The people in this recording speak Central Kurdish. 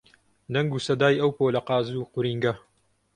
دەنگ و سەدای ئەو پۆلە قاز و قورینگە